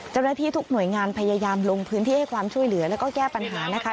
เจ้าหน้าที่ทุกหน่วยงานพยายามลงพื้นที่ให้ความช่วยเหลือแล้วก็แก้ปัญหานะคะ